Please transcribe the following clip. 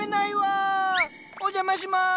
お邪魔します。